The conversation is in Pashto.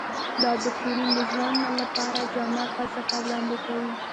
دا دوکتورین د ژوند لپاره جامعه فلسفه وړاندې کوي.